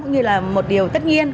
cũng như là một điều tất nhiên